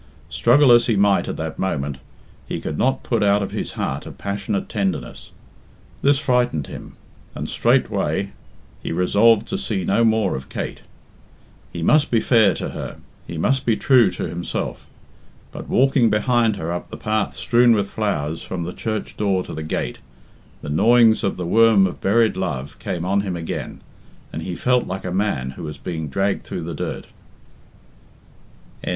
Struggle as he might at that moment, he could not put out of his heart a passionate tenderness. This frightened him, and straightway he resolved to see no more of Kate. He must be fair to her, he must be true to himself. But walking behind her up the path strewn with flowers from the church door to the gate, the gnawings of the worm of buried love came on him again, and he felt like a man who was being dragged through the dirt. XXIII.